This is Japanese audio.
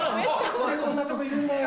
何でこんなとこいるんだよ。